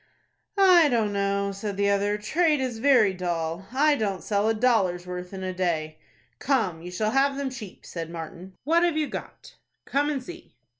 "I don't know," said the other. "Trade is very dull. I don't sell a dollar's worth in a day." "Come, you shall have them cheap," said Martin. "What have you got?" "Come and see."